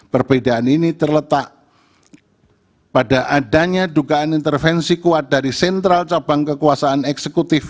perbedaan ini terletak pada adanya dugaan intervensi kuat dari sentral cabang kekuasaan eksekutif